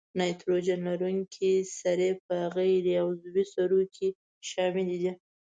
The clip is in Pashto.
نایتروجن لرونکي سرې په غیر عضوي سرو کې شامل دي.